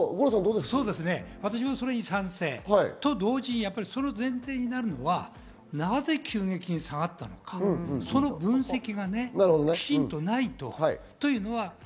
私もそれに賛成と同時に、その前提になるのはなぜ急激に下がっているのかという分析がきちんとないと。